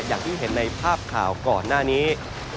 อย่างที่เห็นในภาพข่าวก่อนหน้านี้